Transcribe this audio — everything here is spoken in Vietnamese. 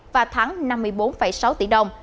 và thắng năm mươi bốn sáu tỷ đồng